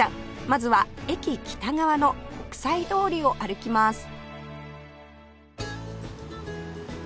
まずは駅北側の北斎通りを歩きます